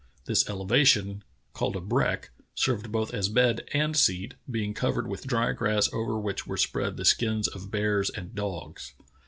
This elevation, called a breck, served both as bed and seat, being covered with dry grass over which were spread the skins of bears and dogs.